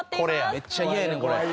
めっちゃ嫌やねんこれ。